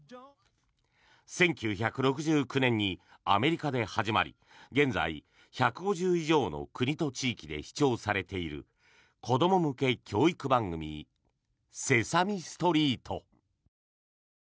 １９６９年にアメリカで始まり現在、１５０以上の国と地域で視聴されている子ども向け教育番組「セサミストリート」。